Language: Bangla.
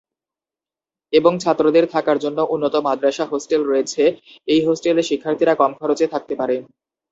এবং ছাত্রদের থাকার জন্য উন্নত মাদ্রাসা হোস্টেল রয়েছে, এই হোস্টেলে শিক্ষার্থীরা কম খরচে থাকতে পারে।